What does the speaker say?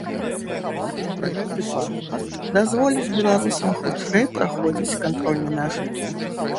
Гэты пашпарт дазволіць беларусам хутчэй праходзіць кантроль на мяжы.